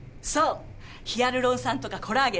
ヒアルロン酸とかコラーゲンとか。